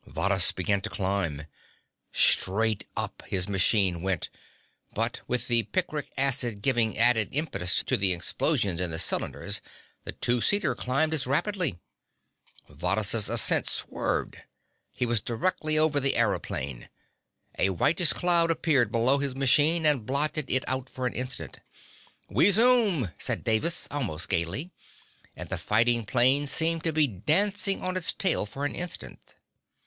Varrhus began to climb. Straight up his machine went, but with the picric acid giving added impetus to the explosions in the cylinders the two seater climbed as rapidly. Varrhus' ascent swerved. He was directly over the aëroplane. A whitish cloud appeared below his machine and blotted it out for an instant. "We zoom," said Davis almost gayly, and the fighting plane seemed to be dancing on its tail for an instant.